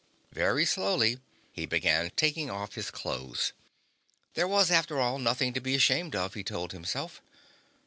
Very slowly, he began taking off his clothes. There was, after all, nothing to be ashamed of, he told himself.